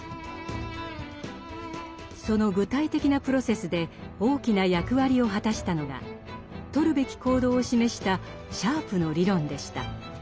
その具体的なプロセスで大きな役割を果たしたのがとるべき行動を示したシャープの理論でした。